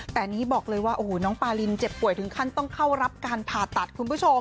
แต่นี้บอกเลยว่าโอ้โหน้องปารินเจ็บป่วยถึงขั้นต้องเข้ารับการผ่าตัดคุณผู้ชม